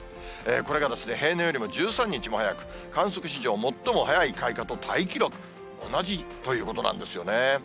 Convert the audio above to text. これが平年よりも１３日も早く、観測史上最も早い開花とタイ記録、同じということなんですよね。